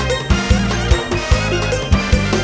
จะทำยังไงกันดี